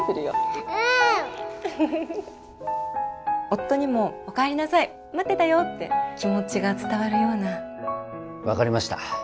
夫にも「お帰りなさい待ってたよ！」って気持ちが伝わるよう分かりました。